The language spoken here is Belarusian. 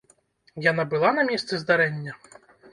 Яна была на месцы здарэння?